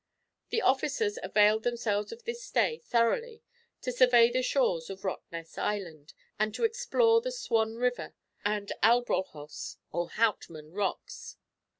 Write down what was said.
The officers availed themselves of this stay thoroughly to survey the shores of Rottnest Island, and to explore the Swan River, and Albrolhos or Houtman Rocks.